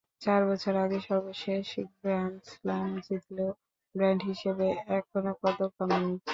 চার বছর আগে সর্বশেষ গ্র্যান্ড স্লাম জিতলেও ব্র্যান্ড হিসেবে এখনো কদর কমেনি।